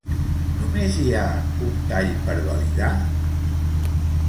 Només hi ha un tall per validar?